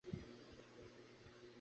তিনি প্রভাবিত করতে সক্ষম হয়েছিলেন।